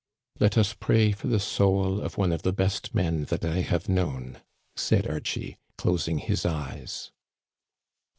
" Let us pray for the soul of one of the best men that I have known," said Archie, closing his eyes.